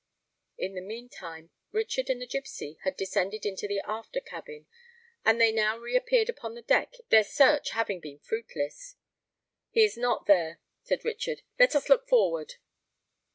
In the meantime, Richard and the gipsy had descended into the after cabin; and they now re appeared upon the deck, their search having been fruitless. "He is not there," said Richard. "Let us look forward."